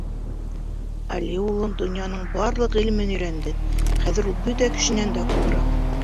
— Али улың донъяның барлыҡ ғилемен өйрәнде, хәҙер ул бөтә кешенән дә аҡыллыраҡ.